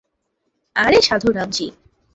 আরে সাধু রামজি।